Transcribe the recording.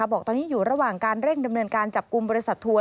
บอกตอนนี้อยู่ระหว่างการเร่งดำเนินการจับกลุ่มบริษัททัวร์